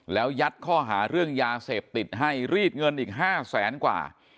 แล้วยัดข้อหาเรื่องยาเสพติดให้รีดเงินอีก๕แสนกว่า